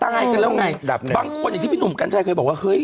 ตายกันแล้วไงบางคนอย่างที่พี่หนุ่มกัญชัยเคยบอกว่าเฮ้ย